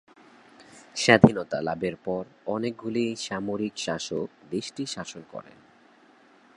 স্বাধীনতা লাভের পর অনেকগুলি সামরিক শাসক দেশটি শাসন করেন।